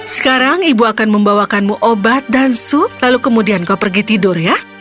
sekarang ibu akan membawakanmu obat dan su lalu kemudian kau pergi tidur ya